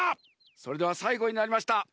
それではさいごになりました。